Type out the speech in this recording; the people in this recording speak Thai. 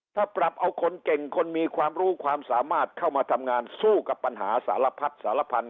ถ้าปรับเอาคนเก่งคนมีความรู้ความสามารถเข้ามาทำงานสู้กับปัญหาสารพัดสารพันธ